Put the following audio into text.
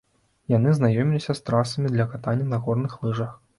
Яны знаёміліся з трасамі для катання на горных лыжах.